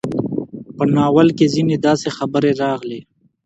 په ناول کې ځينې داسې خبرې راغلې